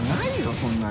そんなに。